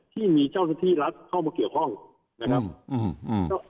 ที่มีเจ้าหน้าที่รัฐเข้ามาเกี่ยวข้องนะครับอืม